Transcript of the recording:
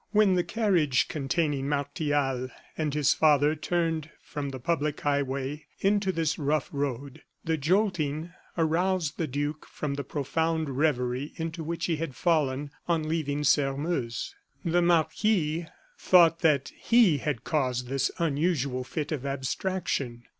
When the carriage containing Martial and his father turned from the public highway into this rough road, the jolting aroused the duke from the profound revery into which he had fallen on leaving Sairmeuse. The marquis thought that he had caused this unusual fit of abstraction.